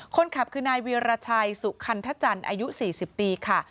คนขับคือนายเวียรชัยสุคันทจันทร์อายุ๔๐ปีค่ะ